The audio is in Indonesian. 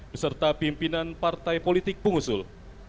beserta pimpinan partai politik pengusul